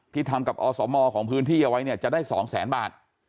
ที่ทำกับอสมของพื้นที่เอาไว้จะได้๒๐๐๐๐๐บาท